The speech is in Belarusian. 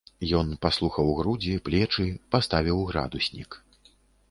Ён паслухаў грудзі, плечы, паставіў градуснік.